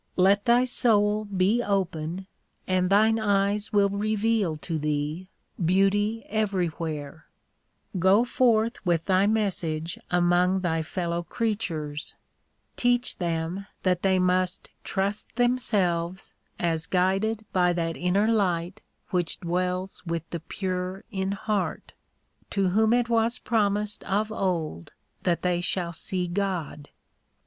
Let thy soul be open and thine eyes will reveal to thee beauty everywhere. 170 EMERSON'S WRITINGS Go forth with thy message among thy fellow creatures ; teach them that they must trust themselves as guided by that inner light which dwells with the pure in heart, to whom it was pro mised of old that they shall see God.